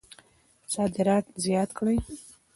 صادرات زیات کړئ